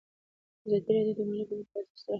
ازادي راډیو د مالي پالیسي ستر اهميت تشریح کړی.